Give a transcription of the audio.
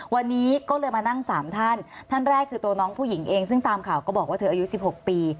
วันนี้ก็เลยมานั่งสามท่านท่านแรกคือตัวน้องผู้หญิงเองซึ่งตามข่าวก็บอกว่าเธออายุ๑๖ปี